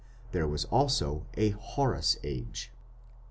There was also a Horus Age.